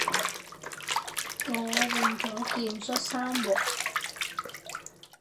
你換咗件恤衫喎